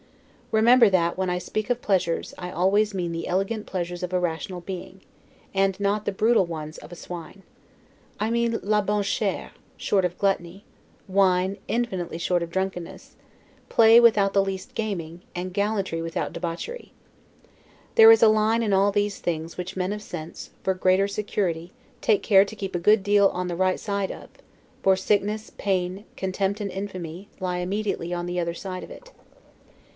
Remember that when I speak of pleasures, I always mean the elegant pleasures of a rational being, and, not the brutal ones of a swine. I mean 'la bonne Chere', short of gluttony; wine, infinitely short of drunkenness; play, without the least gaming; and gallantry without debauchery. There is a line in all these things which men of sense, for greater security, take care to keep a good deal on the right side of; for sickness, pain, contempt and infamy, lie immediately on the other side of it.